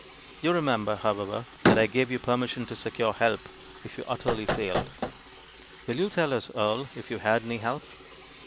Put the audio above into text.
You remember, however, that I gave you permission to secure help if you utterly failed. Will you tell us, Earle, if you had any help?"